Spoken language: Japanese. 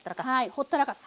ほったらかす。